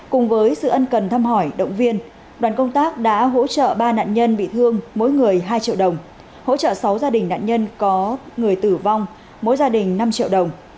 cùng với sự ân cần thăm hỏi động viên đoàn công tác đã hỗ trợ ba nạn nhân bị thương mỗi người hai triệu đồng hỗ trợ sáu gia đình nạn nhân có người tử vong mỗi gia đình năm triệu đồng